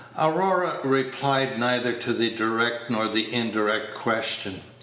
Aurora replied neither to the direct nor the indirect question.